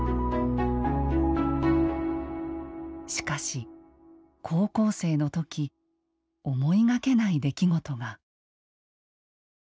しかし高校生の時思いがけない出来事が。